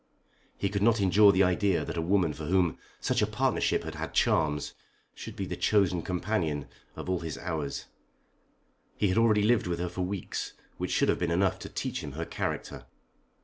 He could not endure the idea that a woman for whom such a partnership had had charms should be the chosen companion of all his hours. He had already lived with her for weeks which should have been enough to teach him her character.